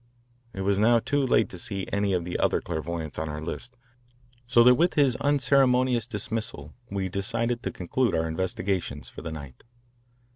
It was now too late to see any of the other clairvoyants on our list, so that with this unceremonious dismissal we decided to conclude our investigations for the night.